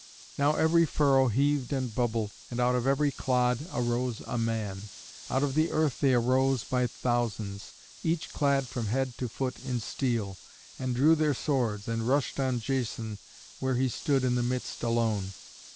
Now every furrow heaved and bubbled, and out of every clod arose a man. Out of the earth they arose by thousands, each clad from head to foot in steel, and drew their swords and rushed on Jason where he stood in the midst alone.